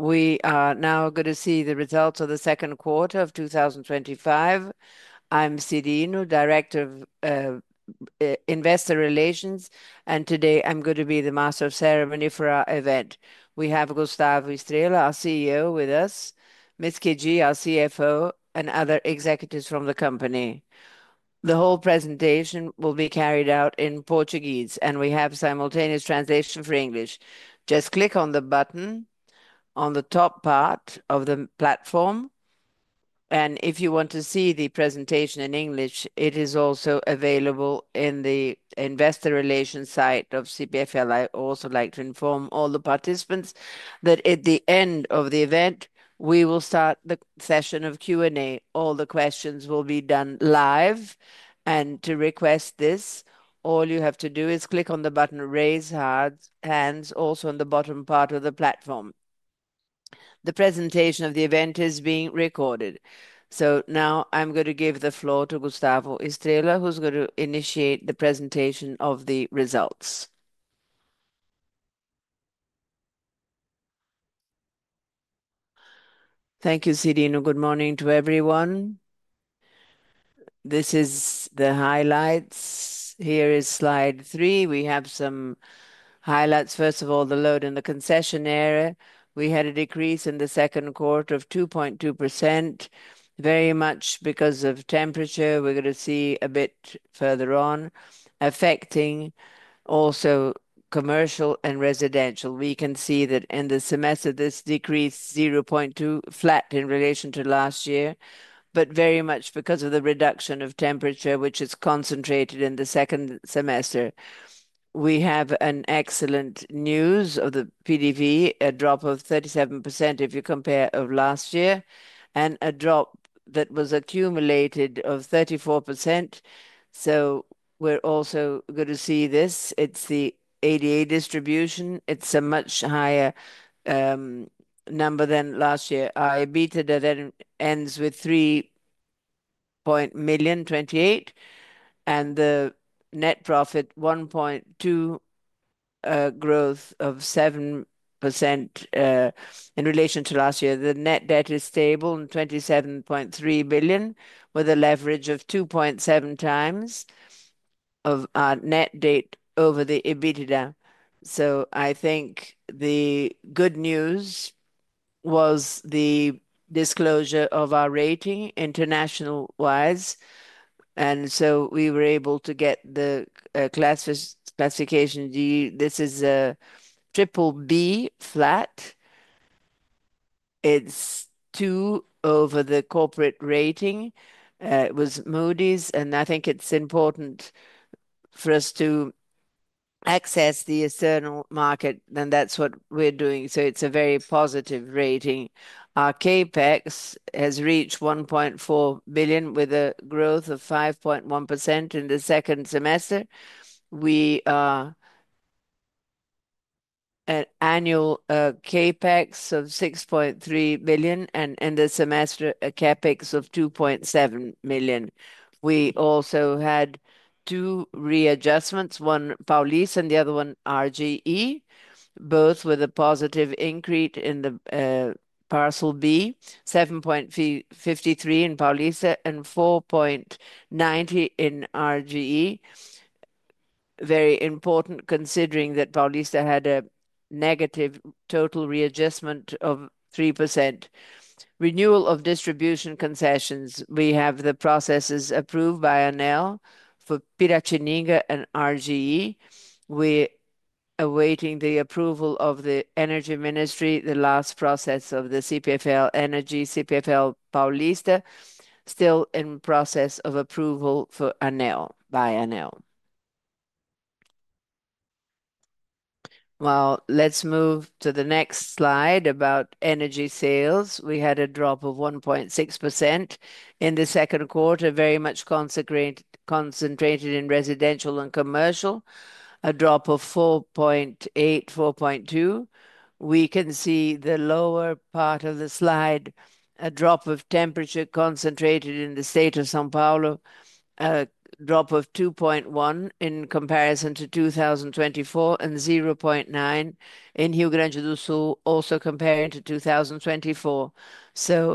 We are now going to see the results of the second quarter of 2025. I'm Cyrino, Director of Investor Relations, and today I'm going to be the master of ceremony for our event. We have Gustavo Estrella, our CEO, with us, Ms. Kedi Wang, our CFO, and other executives from the company. The whole presentation will be carried out in Portuguese, and we have simultaneous translation for English. Just click on the button on the top part of the platform, and if you want to see the presentation in English, it is also available in the Investor Relations site of CPFL Energia. I also like to inform all the participants that at the end of the event, we will start the session of Q&A. All the questions will be done live, and to request this, all you have to do is click on the button Raise Hands also in the bottom part of the platform. The presentation of the event is being recorded. Now I'm going to give the floor to Gustavo Estrella, who's going to initiate the presentation of the results. Thank you, Cyrino. Good morning to everyone. This is the highlights. Here is slide three. We have some highlights. First of all, the load in the concession area. We had a decrease in the second quarter of 2.2%, very much because of temperature. We're going to see a bit further on, affecting also commercial and residential. We can see that in the semester, this decreased 0.2% flat in relation to last year, but very much because of the reduction of temperature, which is concentrated in the second semester. We have excellent news of the PDV, a drop of 37% if you compare to last year, and a drop that was accumulated of 34%. We're also going to see this. It's the ADA distribution. It's a much higher number than last year. Our EBITDA then ends with R$3.28 billion, and the net profit, 1.2%, growth of 7% in relation to last year. The net debt is stable in R$27.3 billion with a leverage of 2.7x of our net debt over the EBITDA. I think the good news was the disclosure of our rating international-wise, and so we were able to get the classification G. This is a BBB flat. It's two over the corporate rating. It was Moody’s, and I think it's important for us to access the external market, and that's what we're doing. It's a very positive rating. Our CAPEX has reached R$1.4 billion with a growth of 5.1% in the second semester. We are an annual CAPEX of R$6.3 billion, and in the semester, a CAPEX of R$2.7 billion. We also had two readjustments, one in Paulista and the other one in RGE, both with a positive increase in Parcel B, 7.53% in Paulista and 4.90% in RGE. This is very important considering that Paulista had a negative total readjustment of 3%. Renewal of distribution concessions. We have the processes approved by ANEEL for Piratininga and RGE. We're awaiting the approval of the Ministry of Mines and Energy, the last process of CPFL Energia, CPFL Paulista, still in process of approval for ANEEL by ANEEL. Let's move to the next slide about energy sales. We had a drop of 1.6% in the second quarter, very much concentrated in residential and commercial, a drop of 4.8%, 4.2%. We can see the lower part of the slide, a drop of temperature concentrated in the state of São Paulo, a drop of 2.1% in comparison to 2024, and 0.9% in Rio Grande do Sul, also comparing to 2024.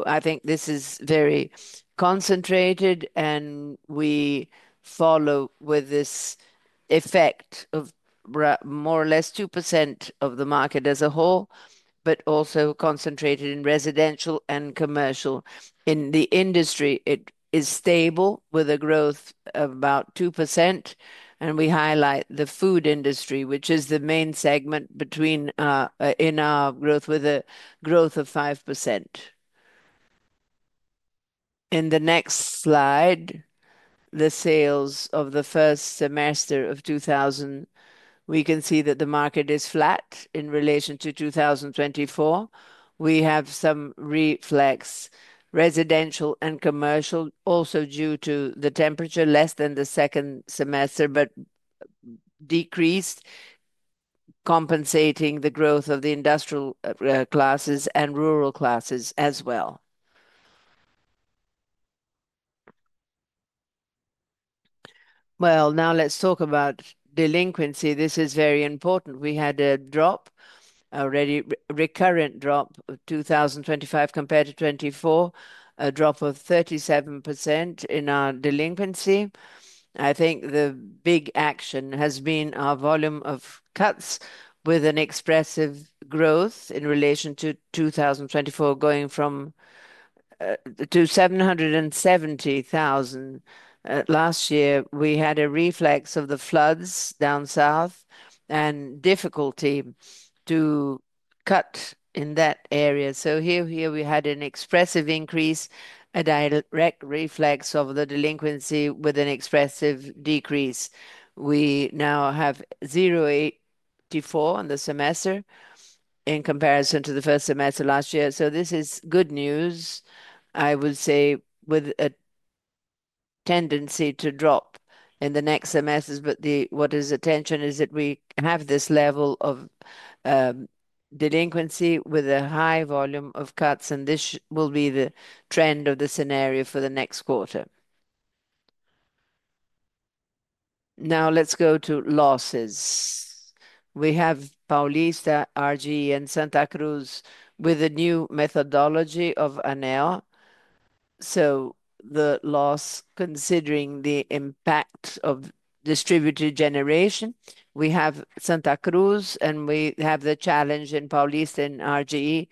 I think this is very concentrated, and we follow with this effect of more or less 2% of the market as a whole, but also concentrated in residential and commercial. In the industry, it is stable with a growth of about 2%, and we highlight the food industry, which is the main segment in our growth with a growth of 5%. In the next slide, the sales of the first semester of 2024, we can see that the market is flat in relation to 2024. We have some reflex residential and commercial, also due to the temperature less than the second semester, but decreased, compensating the growth of the industrial classes and rural classes as well. Now let's talk about delinquency. This is very important. We had a drop, a recurrent drop of 2024 compared to 2023, a drop of 37% in our delinquency. I think the big action has been our volume of cuts with an expressive growth in relation to 2023, going from 770,000 last year. We had a reflex of the floods down south and difficulty to cut in that area. Here we had an expressive increase, a direct reflex of the delinquency with an expressive decrease. We now have 0.84% in the semester in comparison to the first semester last year. This is good news, I would say, with a tendency to drop in the next semesters. What is the tension is that we have this level of delinquency with a high volume of cuts, and this will be the trend of the scenario for the next quarter. Now let's go to losses. We have Paulista, RGE, and Santa Cruz with a new methodology of ANEEL. The loss, considering the impact of distributed Generation, we have Santa Cruz, and we have the challenge in Paulista and RGE.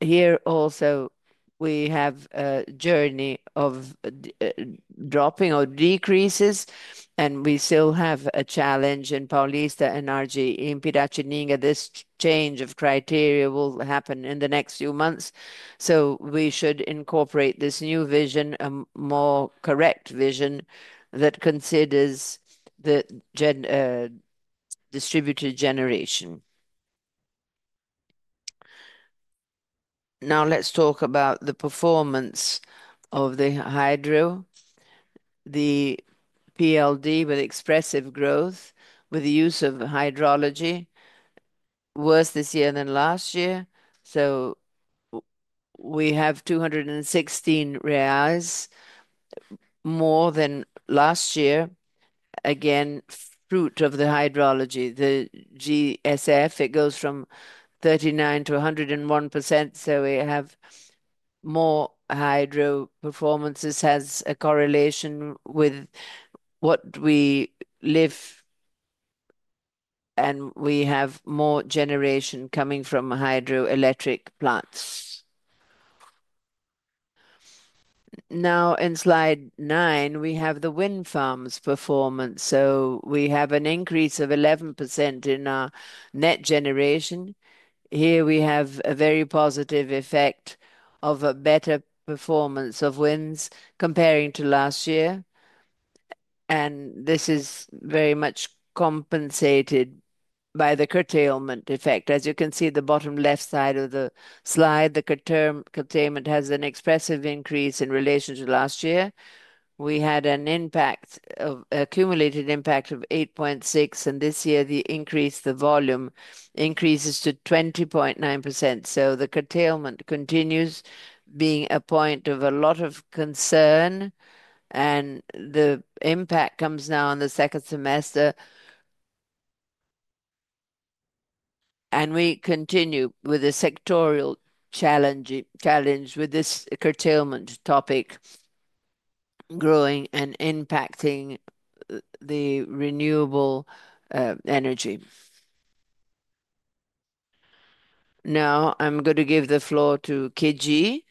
Here also, we have a journey of dropping or decreases, and we still have a challenge in Paulista and RGE in Piratininga. This change of criteria will happen in the next few months. We should incorporate this new vision, a more correct vision that considers the distributed Generation. Now let's talk about the performance of the hydro. The PLD with expressive growth with the use of hydrology was worse this year than last year. We have R$216, more than last year. Again, fruit of the hydrology, the GSF, it goes from 39%-101%. We have more hydro performances, has a correlation with what we live, and we have more Generation coming from hydroelectric plants. Now in slide nine, we have the wind farms performance. We have an increase of 11% in our net Generation. Here we have a very positive effect of a better performance of winds comparing to last year, and this is very much compensated by the curtailment effect. As you can see, the bottom left side of the slide, the curtailment has an expressive increase in relation to last year. We had an impact of, an accumulated impact of 8.6%, and this year the increase, the volume increases to 20.9%. The curtailment continues being a point of a lot of concern, and the impact comes now in the second semester. We continue with a sectorial challenge with this curtailment topic growing and impacting the renewable energy. Now I'm going to give the floor to Kedi.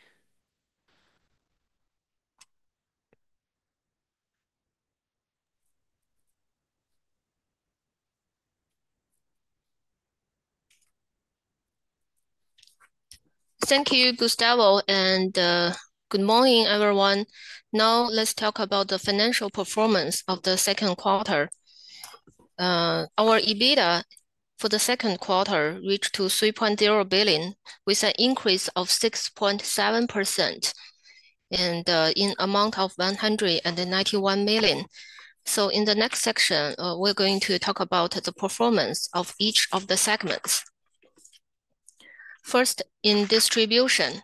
Thank you, Gustavo, and good morning, everyone. Now let's talk about the financial performance of the second quarter. Our EBITDA for the second quarter reached R$3.0 billion with an increase of 6.7% in the amount of R$191 million. In the next section, we're going to talk about the performance of each of the segments. First, in distribution,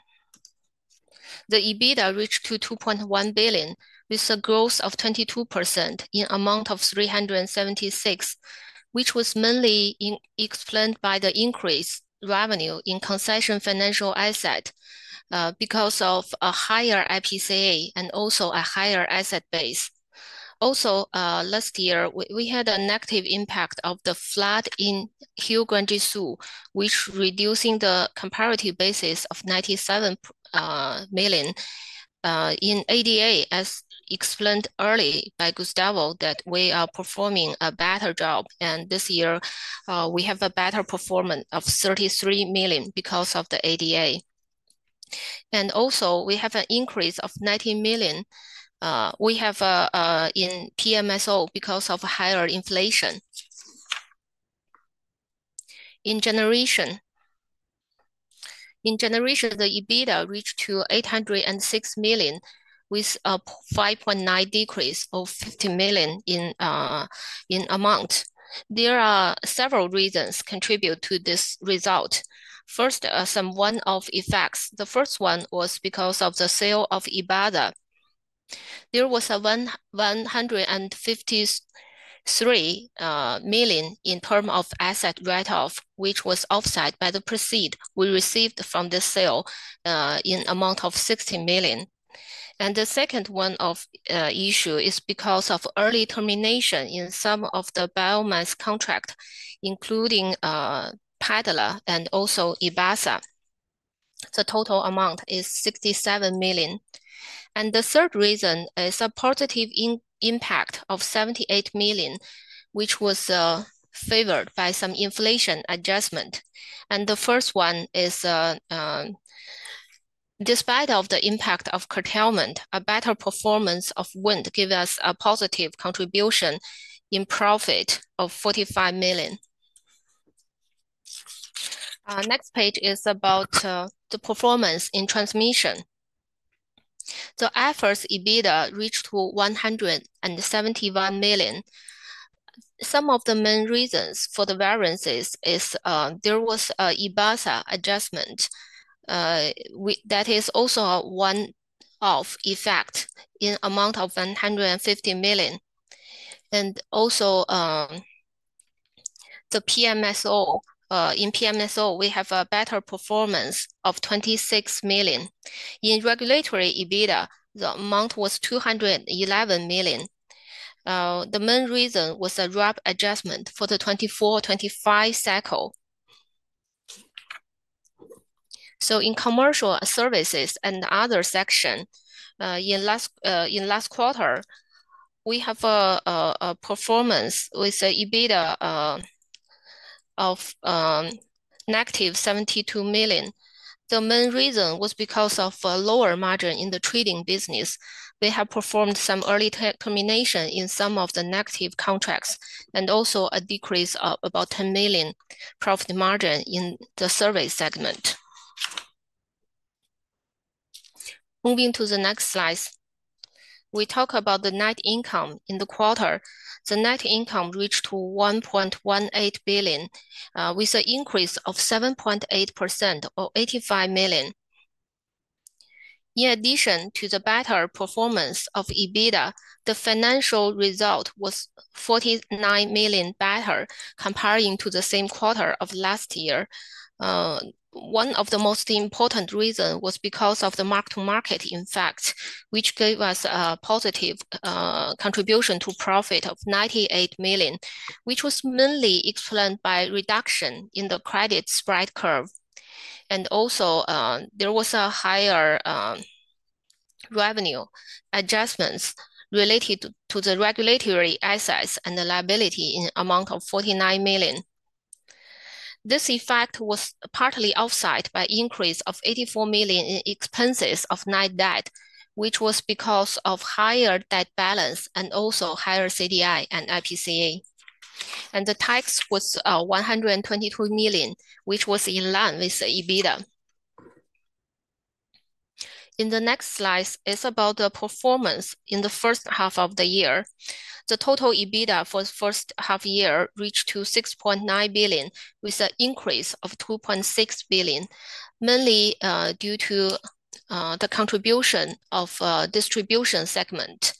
the EBITDA reached R$2.1 billion with a growth of 22% in the amount of R$376 million, which was mainly explained by the increased revenue in concession financial assets because of a higher IPCA and also a higher asset base. Last year, we had a negative impact of the flood in Rio Grande do Sul, which reduced the comparative basis of R$97 million in ADA, as explained earlier by Gustavo, that we are performing a better job. This year, we have a better performance of R$33 million because of the ADA. We also have an increase of R$19 million in PMSO because of higher inflation. In Generation. In Generation, the EBITDA reached R$806 million with a 5.9% decrease of R$50 million in amount. There are several reasons that contribute to this result. First, some one-off effects. The first one was because of the sale of Epasa. There was a R$153 million asset write-off, which was offset by the proceeds we received from the sale in the amount of R$60 million. The second one-off issue is because of early termination in some of the biomass contracts, including Pedra and also Epasa. The total amount is R$67 million. The third reason is a positive impact of R$78 million, which was favored by some inflation adjustment. The first one is, despite the impact of curtailment, a better performance of wind gave us a positive contribution in profit of R$45 million. Our next page is about the performance in transmission. The IFRS EBITDA reached R$171 million. Some of the main reasons for the variances is there was an Epasa adjustment. That is also a one-off effect in the amount of R$150 million, and also the PMSO. In PMSO, we have a better performance of R$26 million. In regulatory EBITDA, the amount was R$211 million. The main reason was a drop adjustment for the 2024-2025 cycle. In Commercial, Services and Other sections, in last quarter, we have a performance with an EBITDA of -R$72 million. The main reason was because of a lower margin in the trading business. We have performed some early termination in some of the negative contracts and also a decrease of about R$10 million profit margin in the Service segment. Moving to the next slide. We talk about the net income in the quarter. The net income reached R$1.18 billion, with an increase of 7.8% or R$85 million. In addition to the better performance of EBITDA, the financial result was R$49 million better compared to the same quarter of last year. One of the most important reasons was because of the mark-to-market effect, which gave us a positive contribution to profit of R$98 million, which was mainly explained by a reduction in the credit spread curve, and also, there was also a higher revenue adjustment related to the regulatory assets and the liability in the amount of R$49 million. This effect was partly offset by an increase of R$84 million in expenses of net debt, which was because of a higher debt balance and also higher CDI and IPCA. The tax was R$122 million, which was in line with the EBITDA. In the next slide, it's about the performance in the first half of the year. The total EBITDA for the first half year reached R$6.9 billion with an increase of R$2.6 billion, mainly due to the contribution of the Distribution segment,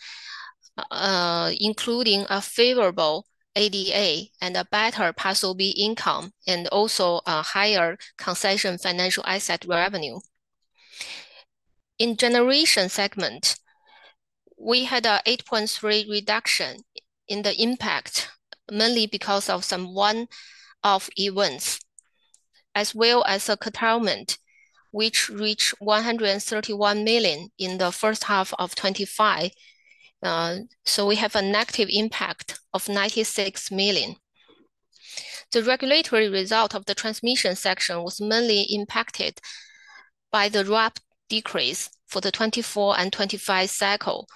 including a favorable ADA and a Parcel B income, and also a higher Concession Financial Asset revenue. In the Generation segment, we had an 8.3% reduction in the impact, mainly because of some one-off events, as well as a curtailment, which reached R$131 million in the first half of 2025. We have a negative impact of R$96 million. The regulatory result of the transmission section was mainly impacted by the drop decrease for the 2024 and 2025 cycle,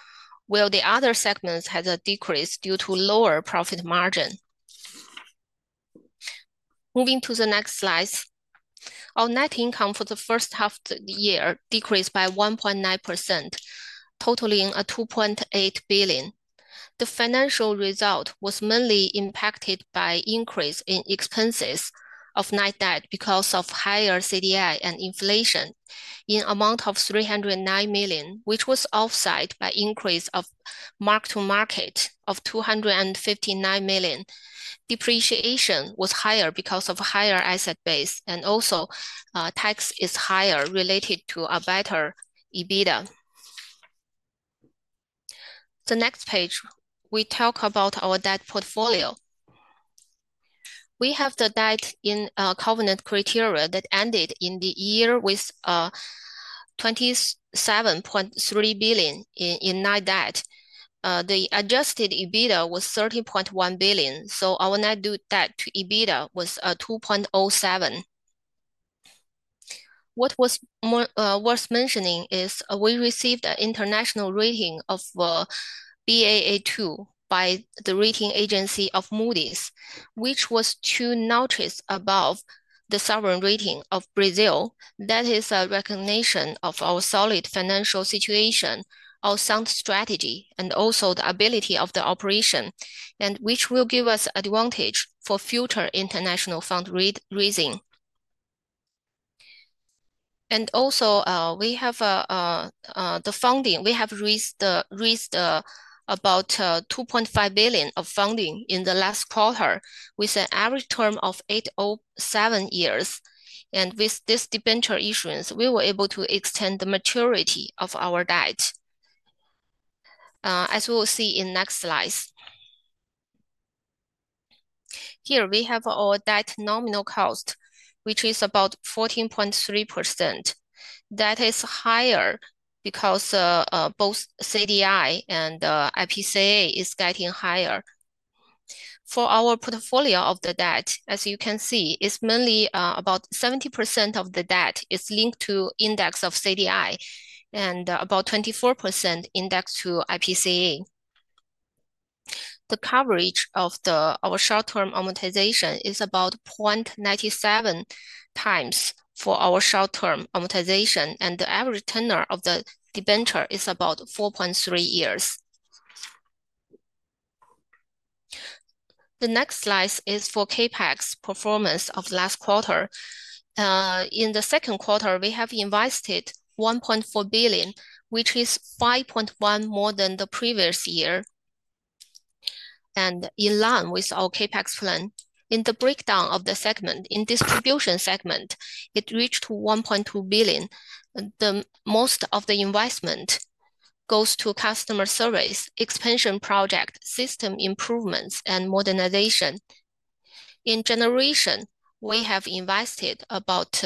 while the other segments had a decrease due to lower profit margin. Moving to the next slide. Our net income for the first half of the year decreased by 1.9%, totaling R$2.8 billion. The financial result was mainly impacted by an increase in expenses of net debt because of higher CDI and inflation in the amount of R$309 million, which was offset by an increase of mark-to-market of R$259 million. Depreciation was higher because of a higher asset base, and also, tax is higher related to a better EBITDA. The next page, we talk about our debt portfolio. We have the debt in a covenant criteria that ended in the year with R$27.3 billion in net debt. The adjusted EBITDA was R$30.1 billion. Our net debt to EBITDA was 2.07. What was worth mentioning is we received an international rating of Baa2 by the rating agency of Moody’s, which was two notches above the sovereign rating of Brazil. That is a recognition of our solid financial situation, our sound strategy, and also the ability of the operation, which will give us an advantage for future international fund raising. Also, we have the funding. We have raised about R$2.5 billion of funding in the last quarter with an average term of 8.07 years. With this debenture issuance, we were able to extend the maturity of our debt, as we will see in the next slides. Here, we have our debt nominal cost, which is about 14.3%. That is higher because both CDI and IPCA are getting higher. For our portfolio of the debt, as you can see, it's mainly about 70% of the debt is linked to the index of CDI and about 24% indexed to IPCA. The coverage of our short-term amortization is about 0.97x for our short-term amortization, and the average tenure of the debenture is about 4.3 years. The next slide is for CAPEX performance of the last quarter. In the second quarter, we have invested R$1.4 billion, which is 5.1% more than the previous year, and in line with our CAPEX plan. In the breakdown of the segment, in the Distribution segment, it reached R$1.2 billion. Most of the investment goes to customer service, expansion projects, system improvements, and modernization. In Generation, we have invested about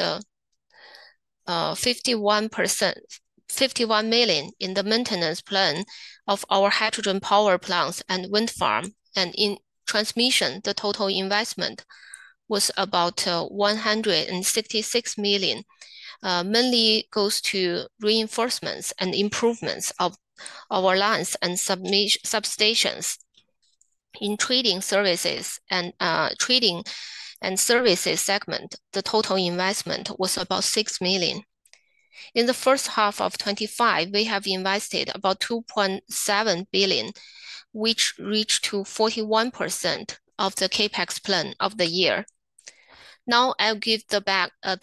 R$51 million in the maintenance plan of our hydropower plants and Wind Farm and in Transmission, the total investment was about R$166 million. Mainly goes to reinforcements and improvements of our lines and substations. In Trading and Services segment, the total investment was about R$6 million. In the first half of 2025, we have invested about R$2.7 billion, which reached 41% of the CAPEX plan of the year. Now I'll give the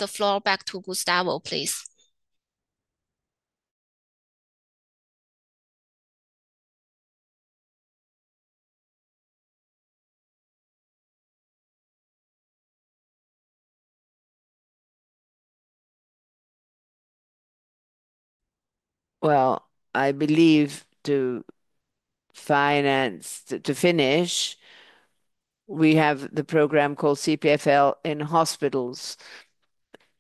floor back to Gustavo, please. Well, I believe to finish, we have the program called CPFL in Hospitals.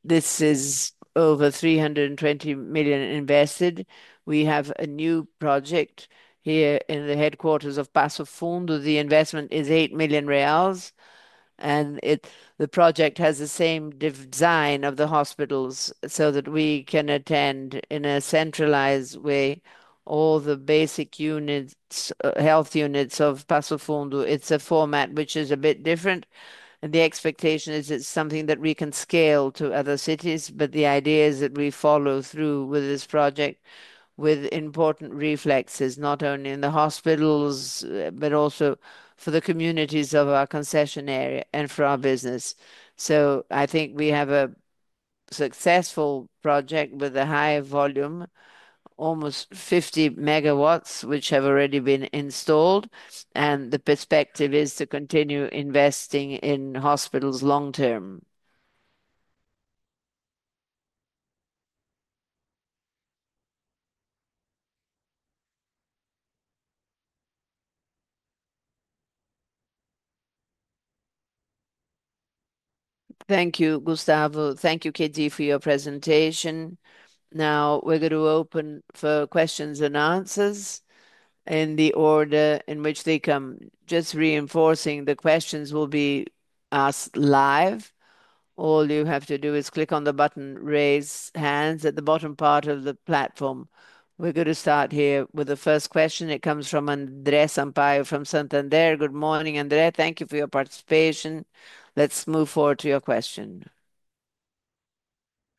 This is over R$320 million invested. We have a new project here in the headquarters of Passo Fundo. The investment is R$8 million, and it. The project has the same design of the hospitals so that we can attend in a centralized way all the basic health units of Passo Fundo. It's a format which is a bit different, and the expectation is it's something that we can scale to other cities. The idea is that we follow through with this project with important reflexes, not only in the hospitals, but also for the communities of our concession area and for our business. I think we have a successful project with a high volume, almost 50 MW, which have already been installed. The perspective is to continue investing in hospitals long term. Thank you, Gustavo. Thank you, Kedi, for your presentation. Now we're going to open for questions and answers in the order in which they come. Just reinforcing, the questions will be asked live. All you have to do is click on the button Raise Hands at the bottom part of the platform. We're going to start here with the first question. It comes from Andrés Amparo from Santander. Good morning, Andrés. Thank you for your participation. Let's move forward to your question.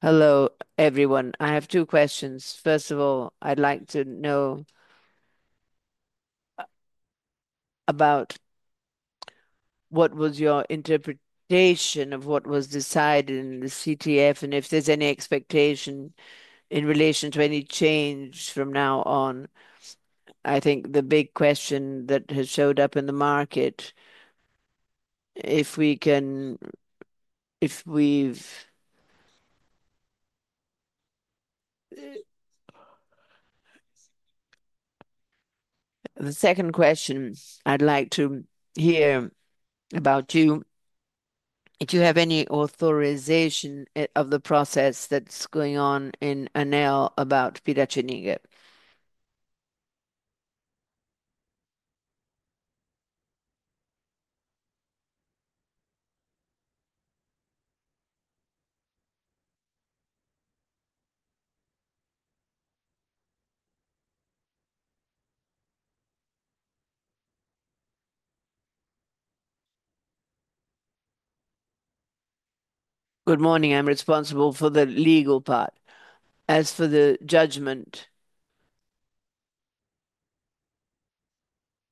Hello, everyone. I have two questions. First of all, I'd like to know about what was your interpretation of what was decided in the CTF and if there's any expectation in relation to any change from now on. I think the big question that has showed up in the market, if we've... The second question I'd like to hear about you, if you have any authorization of the process that's going on in ANEEL about Piratininga. Good morning. I'm responsible for the legal part. As for the judgment,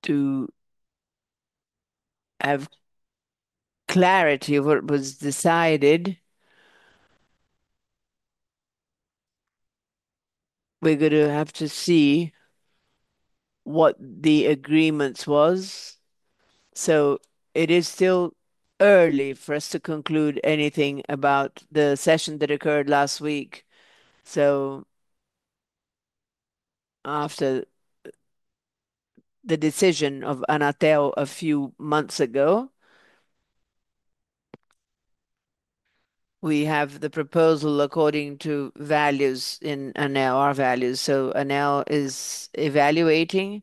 to have clarity of what was decided, we're going to have to see what the agreement was. It is still early for us to conclude anything about the session that occurred last week. After the decision of Anatel a few months ago, we have the proposal according to values in ANEEL, our values. ANEEL is evaluating.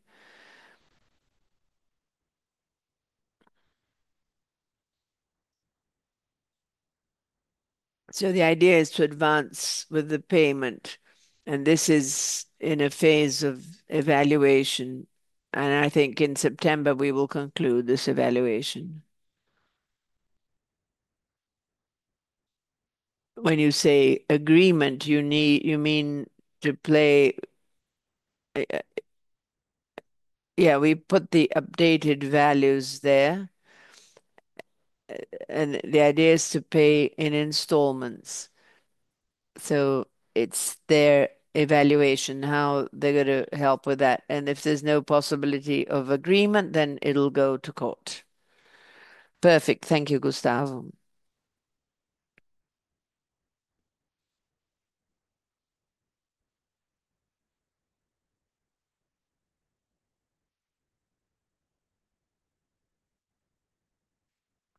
The idea is to advance with the payment. This is in a phase of evaluation. I think in September, we will conclude this evaluation. When you say agreement, you mean to pay? Yeah, we put the updated values there. The idea is to pay in installments. It's their evaluation how they're going to help with that. If there's no possibility of agreement, then it'll go to court. Perfect. Thank you, Gustavo.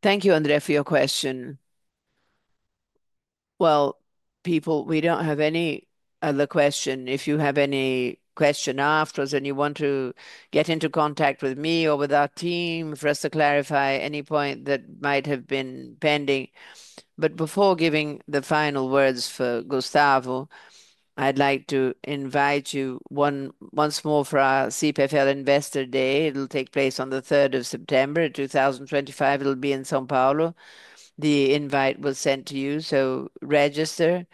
Thank you, Andrés, for your question. Well, people, we don't have any other questions. If you have any questions afterwards and you want to get into contact with me or with our team for us to clarify any point that might have been pending, before giving the final words for Gustavo, I'd like to invite you once more for our CPFL Investor Day. It'll take place on the 3rd of September, 2025. It'll be in São Paulo. The invite was sent to you, so register.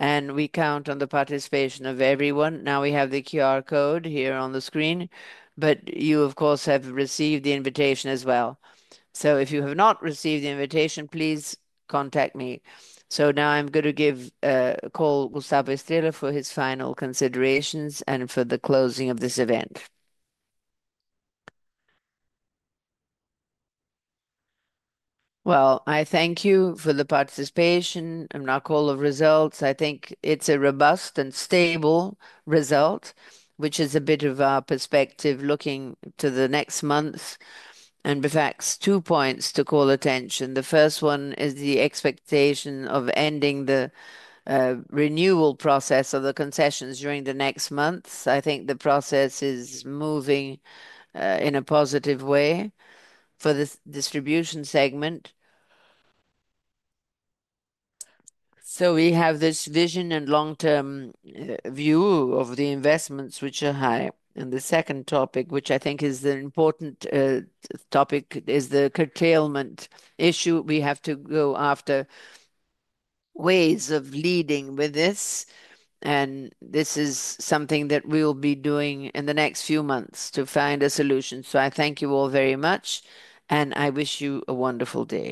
We count on the participation of everyone. Now we have the QR code here on the screen, but you, of course, have received the invitation as well. If you have not received the invitation, please contact me. Now I'm going to give a call to Gustavo Estrella for his final considerations and for the closing of this event. Well, I thank you for the participation and our call of results. I think it's a robust and stable result, which is a bit of our perspective looking to the next month. In fact, two points to call attention. The first one is the expectation of ending the renewal process of the concessions during the next month. I think the process is moving in a positive way for the Distribution segment. We have this vision and long-term view of the investments, which are high. The second topic, which I think is an important topic, is the curtailment issue. We have to go after ways of leading with this. This is something that we will be doing in the next few months to find a solution. I thank you all very much, and I wish you a wonderful day.